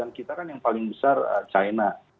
dan kita kan yang paling besar china